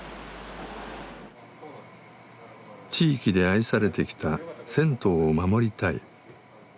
地域で愛されてきた銭湯を守りたい。